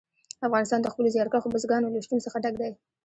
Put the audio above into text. افغانستان د خپلو زیارکښو بزګانو له شتون څخه ډک دی.